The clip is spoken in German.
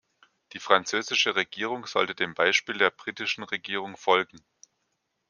Die französische Regierung sollte dem Beispiel der britischen Regierung folgen.